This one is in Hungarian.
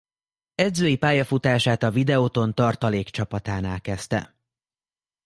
Edzői pályafutását a Videoton tartalékcsapatánál kezdte.